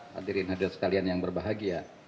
hadirin hadir sekalian yang berbahagia